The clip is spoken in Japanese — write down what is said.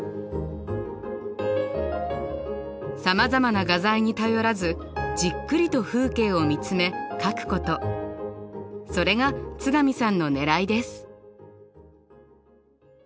さまざまな画材に頼らずじっくりと風景を見つめ描くことそれが津上さんのねらいです。